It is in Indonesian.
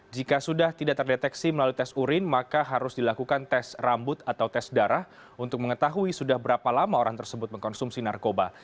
jika sudah tidak terdeteksi melalui tes urin maka harus dilakukan tes rambut atau tes darah untuk mengetahui sudah berapa lama orang tersebut mengkonsumsi narkoba